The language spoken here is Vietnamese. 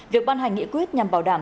việc ban hành nghị quyết nhằm bảo đảm